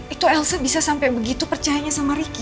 itu elsa bisa sampai begitu percayanya sama ricky